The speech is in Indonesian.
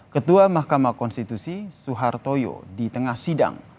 ketua mahkamah konstitusi suhartoyo di tengah sidang